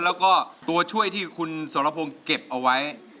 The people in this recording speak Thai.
แล้วก็ตัวช่วยที่คุณสรพงศ์เก็บเอาไว้